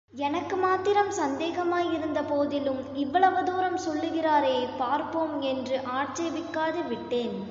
எனக்கு மாத்திரம் சந்தேகமாயிருந்த போதிலும் இவ்வளவு தூரம் சொல்லுகிறாரே பார்ப்போம் என்று ஆட்சேபிக்காது விட்டேன்.